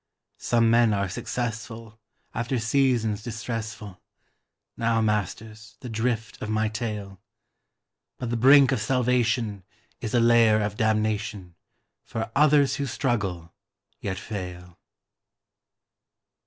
Some men are successful after seasons distressful [Now, masters, the drift of my tale]; But the brink of salvation is a lair of damnation For others who struggle, yet fail.